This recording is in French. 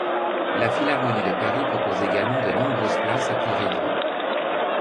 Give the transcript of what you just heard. La Philharmonie de Paris propose également de nombreuses places à prix réduit.